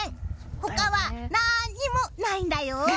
他はなんにもないんだよ。